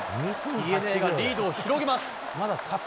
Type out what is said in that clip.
ＤｅＮＡがリードを広げます。